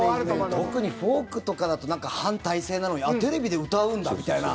特にフォークとかだと反体制なのにあ、テレビで歌うんだみたいな。